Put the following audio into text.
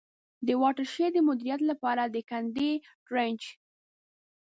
د واټر شید د مدیریت له پاره د کندي Trench.